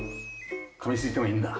かみついてもいいんだ？